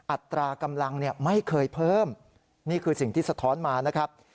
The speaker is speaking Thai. อัตรากำลังเนี่ยไม่เคยเพิ่มนี่คือสิ่งที่สะท้อนมานะครับ